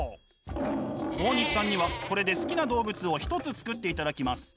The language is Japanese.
大西さんにはこれで好きな動物を１つ作っていただきます。